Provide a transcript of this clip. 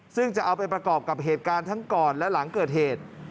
ซึ่งจะเอาไปประกอบกับเหตุการณ์ทั้งก่อนและหลังเกิดเหตุ